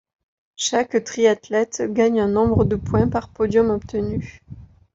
Chaque triathlète gagne un nombre de points par podium obtenu.